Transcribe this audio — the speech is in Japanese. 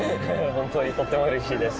本当にとってもうれしいです。